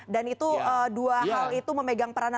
dan itu dua hal itu memegang peranan pelayanan